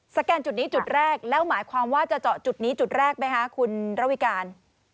แกนจุดนี้จุดแรกแล้วหมายความว่าจะเจาะจุดนี้จุดแรกไหมคะคุณระวิการ